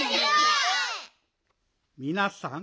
みなさん